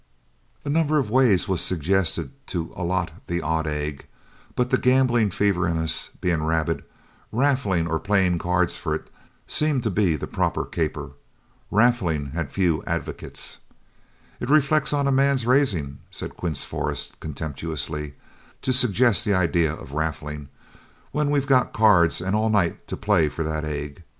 A number of ways were suggested to allot the odd egg, but the gambling fever in us being rabid, raffling or playing cards for it seemed to be the proper caper. Raffling had few advocates. "It reflects on any man's raising," said Quince Forrest, contemptuously, "to suggest the idea of raffling, when we've got cards and all night to play for that egg.